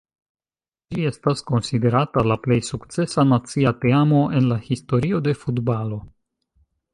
Ĝi estas konsiderata la plej sukcesa nacia teamo en la historio de futbalo.